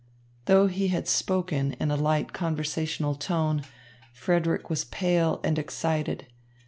Though he had spoken in a light conversational tone, Frederick was pale and excited.